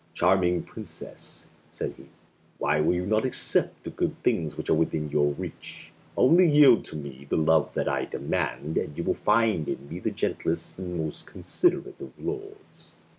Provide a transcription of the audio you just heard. "Charming Princess," said he, "why will you not accept the good things which are within your reach? Only yield to me the love that I demand and you will find in me the gentlest and most considerate of lords."